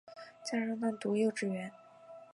家人让她读幼稚园